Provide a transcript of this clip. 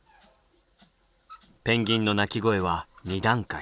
ペンギンの鳴き声は２段階。